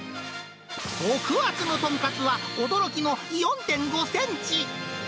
極厚の豚カツは、驚きの４．５センチ。